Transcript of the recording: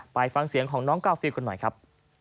ไปฟังเสียงของน้องกาฟิลกันหน่อยครับ